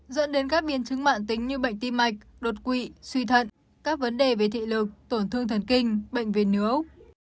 dẫn đến các biến chứng mạng tính như bệnh tim mạch đột quỵ suy thận các vấn đề về thị lực tổn thương thần kinh bệnh về nứa